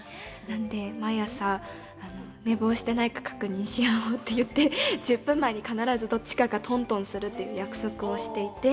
なんで毎朝、寝坊してないか確認し合おうって言って１０分前に必ずどっちかがトントンするっていう約束をしていて。